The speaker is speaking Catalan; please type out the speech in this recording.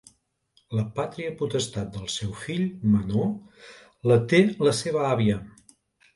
La pàtria potestat del seu fill menor la té la seva àvia.